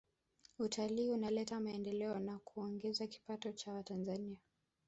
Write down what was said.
Utalii unaleta maendeleo na kuongeza kipato cha watanzania